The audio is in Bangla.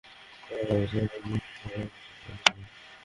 আদা দিয়ে রঙ চা এনেছি, ম্যাডাম?